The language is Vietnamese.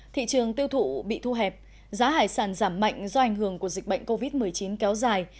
thị trường tiêu thụ bị thu hẹp giá hải sản giảm mạnh do ảnh hưởng của dịch bệnh covid một mươi chín kéo dài